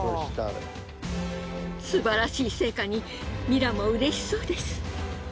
すばらしい成果にミラもうれしそうです。